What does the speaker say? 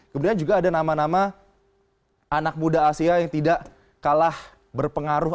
kemudian juga ada nama nama anak muda asia yang tidak kalah berpengaruh